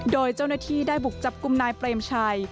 โดยเจ้าหน้าที่ได้บุกจับกลุ่มนายเปรมชัย